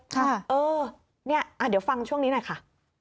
เออเนี่ยเดี๋ยวฟังช่วงนี้หน่อยค่ะ